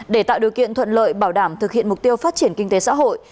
để tạo điều kiện thuận lợi bảo đảm thực hiện mục tiêu phát triển kinh tế xã hội